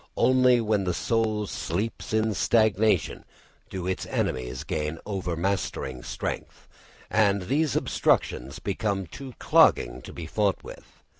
Only when the soul sleeps in stagnation do its enemies gain overmastering strength, and these obstructions become too clogging to be fought through.